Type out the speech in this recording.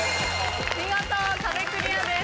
見事壁クリアです。